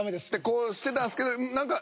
こうしてたんですけど何か。